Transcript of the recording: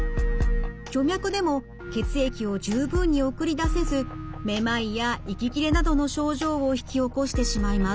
徐脈でも血液を十分に送り出せずめまいや息切れなどの症状を引き起こしてしまいます。